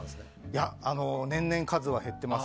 いや、年々数は減っています。